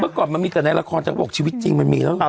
เมื่อก่อนมันมีแต่ในละครจำบอกชีวิตจริงมันมีแล้วอ่า